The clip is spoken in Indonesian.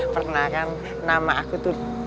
perkenalkan nama aku tuh dak